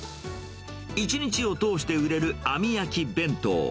１日を通して売れるあみ焼き弁当。